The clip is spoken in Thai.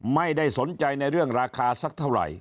ไม่ได้สนใจในเรื่องราคาสักเท่าไหร่